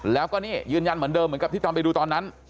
แล้วก็นี่ยืนยันเหมือนเดิมเหมือนกับที่ตอนไปดูตอนนั้น